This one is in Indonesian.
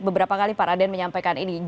beberapa kali pak raden menyampaikan ini